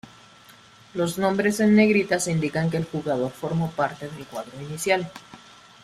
Los nombres en negritas indican que el jugador formó parte del cuadro inicial.